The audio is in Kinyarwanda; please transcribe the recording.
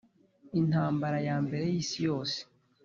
intambara ya mbere y'isi yose